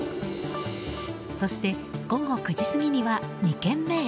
そして午後９時過ぎには２軒目へ。